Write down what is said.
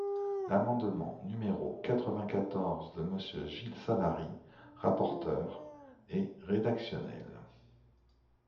L’amendement numéro quatre-vingt-quatorze de Monsieur Gilles Savary, rapporteur, est rédactionnel.